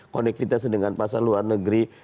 konektivitasnya dengan pasar luar negeri